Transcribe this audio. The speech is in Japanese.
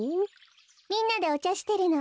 みんなでおちゃしてるの。